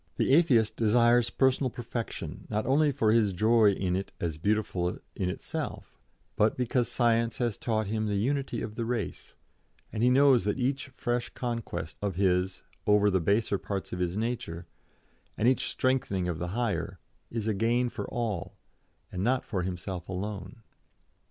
The Atheist desires personal perfection not only for his joy in it as beautiful in itself, but because science has taught him the unity of the race, and he knows that each fresh conquest of his over the baser parts of his nature, and each strengthening of the higher, is a gain for all, and not for himself alone."